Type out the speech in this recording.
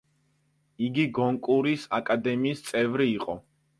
იგი გონკურის აკადემიის წევრი იყო.